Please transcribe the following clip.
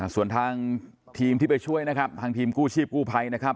ส่วนทางทีมที่ไปช่วยนะครับทางทีมกู้ชีพกู้ภัยนะครับ